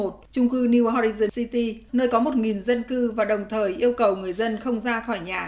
trung cư new horrison city nơi có một dân cư và đồng thời yêu cầu người dân không ra khỏi nhà